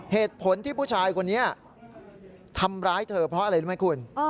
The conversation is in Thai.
เหตุผลที่ผู้ชายคนนี้ทำร้ายเธอเพราะอะไรรู้ไหมคุณ